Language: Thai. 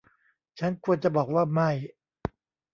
ฉันควรจะบอกว่าไม่